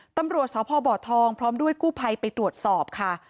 ตำรวจสพบทองพร้อมด้วยกู้ภัยไปตรวจสอบค่ะ